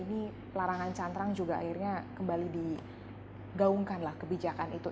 akhirnya juga pada periode anda ini pelarangan cantrang juga kembali digaungkan kebijakan itu